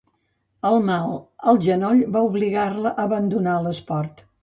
El mal al genoll va obligar-la a abandonar l'esport?